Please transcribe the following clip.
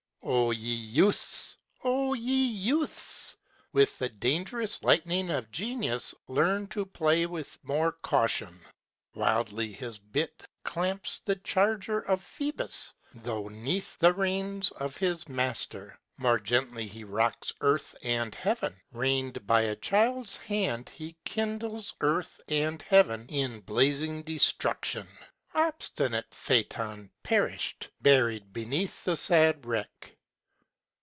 Oh, ye youths! Oh, ye youths! With the dangerous lightning of genius Learn to play with more caution! Wildly his bit champs the charger of Phoebus; Though, 'neath the reins of his master, More gently he rocks earth and heaven, Reined by a child's hand, he kindles Earth and heaven in blazing destruction! Obstinate Phaeton perished, Buried beneath the sad wreck.